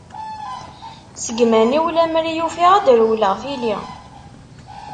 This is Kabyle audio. Seg iman-iw lemmer i ufiɣ, ad d-rewleɣ tili.